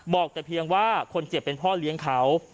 บอกแต่เพียงว่าคนเจ็บเป็นพ่อเลี้ยงเขา